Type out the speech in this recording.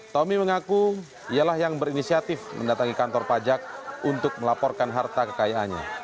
tommy mengaku ialah yang berinisiatif mendatangi kantor pajak untuk melaporkan harta kekayaannya